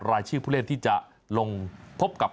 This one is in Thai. รายชื่อผู้เล่นที่จะลงพบกับ